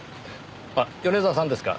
あっ米沢さんですか？